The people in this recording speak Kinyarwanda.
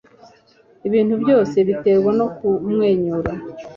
Ibintu byose biterwa no kumwenyura